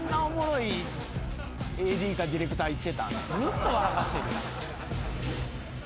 ずっと笑かしてる。